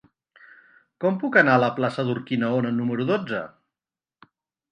Com puc anar a la plaça d'Urquinaona número dotze?